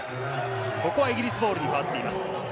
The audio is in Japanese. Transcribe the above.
ここはイギリスボールに変わっています。